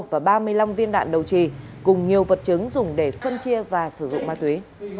và ba mươi năm viên đạn đầu trì cùng nhiều vật chứng dùng để phân chia và sử dụng ma túy